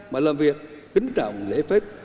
mà làm việc kính trọng lễ phép